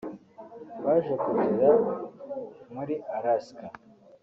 baje kugera muri Alaska